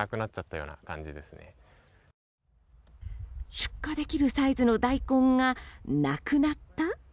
出荷できるサイズのダイコンがなくなった？